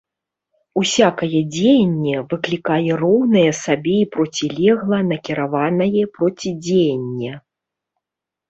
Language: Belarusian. Усякае дзеянне выклікае роўнае сабе і процілегла накіраванае процідзеянне.